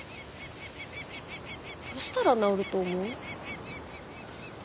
どうしたら直ると思う？